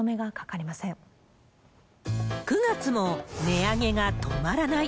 ９月も、値上げが止まらない。